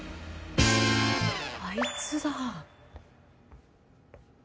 あいつだ。